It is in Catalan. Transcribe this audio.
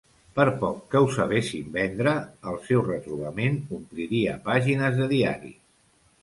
Per poc que ho sabessin vendre, el seu retrobament ompliria pàgines de diaris.